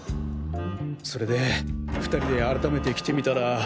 それで２人で改めて来てみたら。